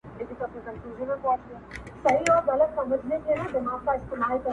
اې گوره تاته وايم,